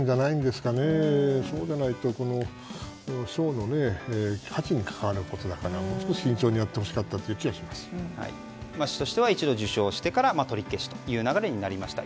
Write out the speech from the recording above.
そうじゃないと賞の価値に関わることだからもう少し慎重にやってほしかった市としては一度受賞してから取り消しという流れになりました。